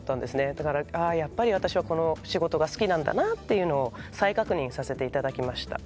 だから、やっぱり私はこの仕事が好きなんだなというのを再確認させていただきました。